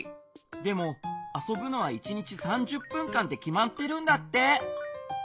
でもあそぶのは１日３０分間ってきまってるんだって。